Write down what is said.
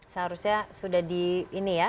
seharusnya sudah di ini ya